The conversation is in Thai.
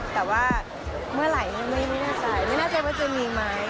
แต่ว่าเมื่อไหร่ไม่แน่ใจไม่แน่ใจว่าจะมีไหม